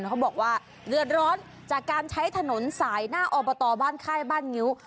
เขาบอกว่าเดือดร้อนจากการใช้ถนนสายหน้าอบตบ้านค่ายบ้านงิ้ว